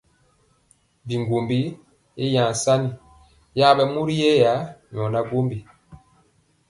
Biŋgombi i vaŋ san, yaɓɛ mori yɛ nyɔ gwombi.